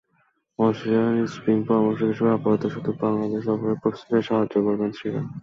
অস্ট্রেলিয়ার স্পিন পরামর্শক হিসেবে আপাতত শুধু বাংলাদেশ সফরের প্রস্তুতিতেই সাহায্য করবেন শ্রীরাম।